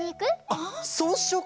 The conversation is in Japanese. あっそうしよっか！